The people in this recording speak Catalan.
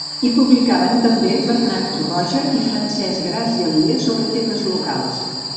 Hi publicaven també Bernat Torroja i Francesc Gras i Elies, sobre temes locals.